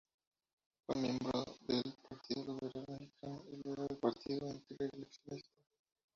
Fue miembro del Partido Liberal Mexicano y luego del Partido Antirreeleccionista.